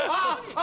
あ！